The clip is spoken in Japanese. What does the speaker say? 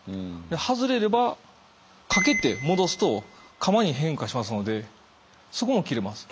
外れれば掛けて戻すと鎌に変化しますのでそこも切れます。